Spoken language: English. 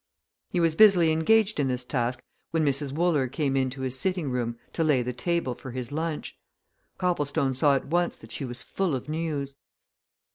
He was busily engaged in this task when Mrs. Wooler came into his sitting room to lay the table for his lunch. Copplestone saw at once that she was full of news.